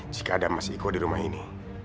jika ada mas iko di rumah ini